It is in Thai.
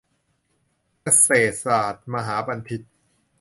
เกษตรศาสตรมหาบัณฑิต